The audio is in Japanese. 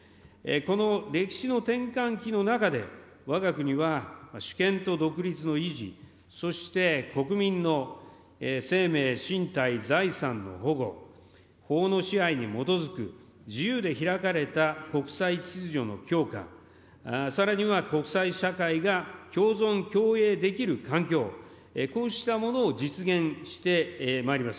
この歴史の転換期の中で、わが国は主権と独立の維持、そして国民の生命、身体、財産の保護、法の支配に基づく自由で開かれた国際秩序の強化、さらには国際社会が共存共栄できる環境、こうしたものを実現してまいります。